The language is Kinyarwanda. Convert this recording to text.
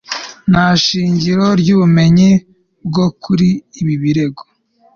nta shingiro ry'ubumenyi kuri ibi birego